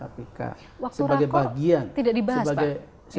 waktu rakor tidak dibahas pak